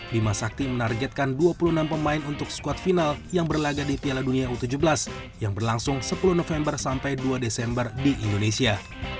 bima sakti menargetkan dua puluh enam pemain untuk squad final yang berlaga di piala dunia u tujuh belas yang berlangsung sepuluh november sampai dua desember di indonesia